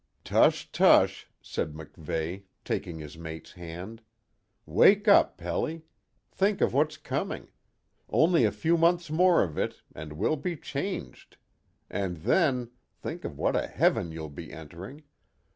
"Tush, tush!" said MacVeigh, taking his mate's hand. "Wake up, Pelly! Think of what's coming. Only a few months more of it, and we'll be changed. And then think of what a heaven you'll be entering.